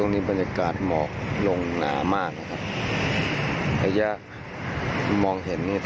นี่คือยังบนอาคารจอดรถ